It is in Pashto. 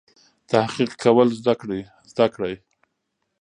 تحقیق کول زده کړئ.